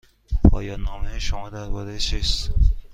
پایان نامه شما درباره چیست؟